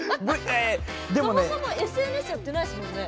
そもそもＳＮＳやってないですもんね。